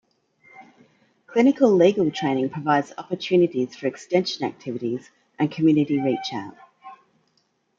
Clinical legal training provides opportunities for extension activities and community reach out.